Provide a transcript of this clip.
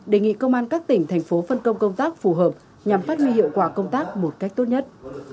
đề nghị công an các tỉnh thành phố phân công công tác phù hợp nhằm phát huy hiệu quả công tác một cách tốt nhất